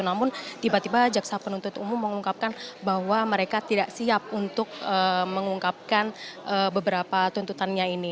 namun tiba tiba jaksa penuntut umum mengungkapkan bahwa mereka tidak siap untuk mengungkapkan beberapa tuntutannya ini